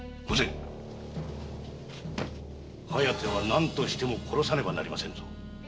御前「疾風」は何としても殺さねばなりませんぞ。